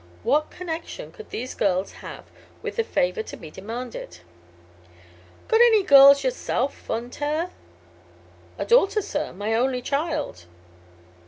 What connection could these girls have with the favor to be demanded? "Got any girls yourself, Von Taer?" "A daughter, sir. My only child.